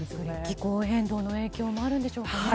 気候変動の影響もあるんでしょうかね。